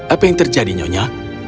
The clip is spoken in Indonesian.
apa yang terjadi nyonya